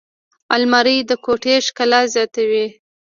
الماري د کوټې ښکلا زیاتوي